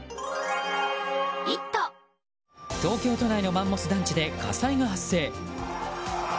東京都内のマンモス団地で火災が発生。